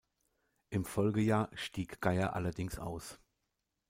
Im Folgejahr stieg Gaier allerdings aus.